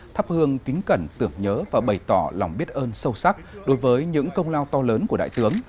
thắp hương kính cẩn tưởng nhớ và bày tỏ lòng biết ơn sâu sắc đối với những công lao to lớn của đại tướng